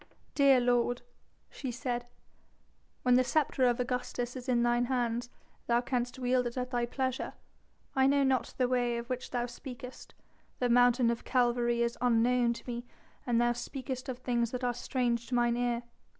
"Dear lord," she said, "when the sceptre of Augustus is in thine hands thou canst wield it at thy pleasure. I know not the way of which thou speakest; the mountain of Calvary is unknown to me and thou speakest of things that are strange to mine ear....